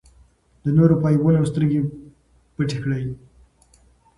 د نورو په عیبونو سترګې پټې کړئ.